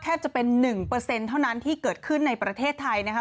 แค่จะเป็นหนึ่งเปอร์เซ็นต์เท่านั้นที่เกิดขึ้นในประเทศไทยนะครับ